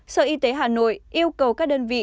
sở y tế hà nội yêu cầu các đơn vị